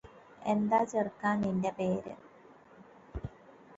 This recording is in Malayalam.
എന്താ ചെറുക്കാ നിന്റെ പേര്